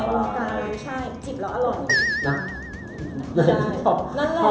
ในวงคลใช่เจีบแล้วอร่อย